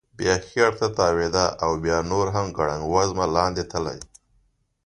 بیا ښي اړخ ته تاوېده او بیا نور هم ګړنګ وزمه لاندې تلی.